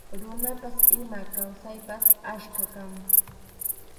Runapas ima kawsaypas achkam kan.